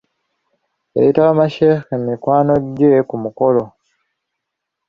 Yayita ba Ma-Sheikh mikwano gye ku mukolo.